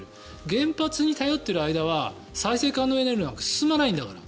原発に頼っている間は再生可能エネルギーなんか進まないんだから。